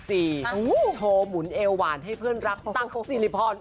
โชว์หมุนเอวหวานให้เพื่อนรักตั้งคกสิริพร